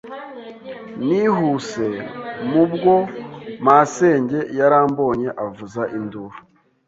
Nihuse, mubwo masenge yarambonye avuza induru